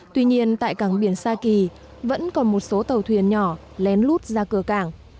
tuy nhiên tại cảng biển sa kỳ vẫn còn một số tàu thuyền nhỏ lén lút ra cờ cảng